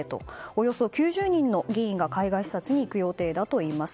およそ９０人の議員が海外視察に行く予定だといいます。